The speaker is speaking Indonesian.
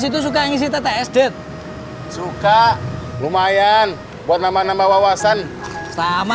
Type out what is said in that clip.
ini toperannya bang